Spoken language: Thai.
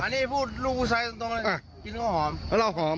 นี่พูดลูกอุ้นใสจริงตรงไหนอ่ากินแล้วหอมว่าหอมอ๋อ